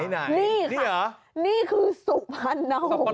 นี่ค่ะนี่คือศุกรพรณโหง